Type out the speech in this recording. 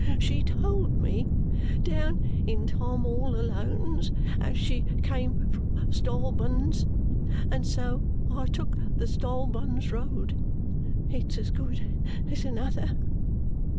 She told me, down in Tom all Alone's, as she came from Stolbuns, and so I took the Stolbuns Road. It's as good as another."